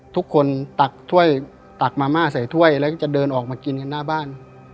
ตักถ้วยตักมาม่าใส่ถ้วยแล้วก็จะเดินออกมากินกันหน้าบ้าน